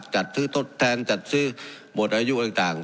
จัดซื้อทดแทนจัดซื้อหมดอายุต่าง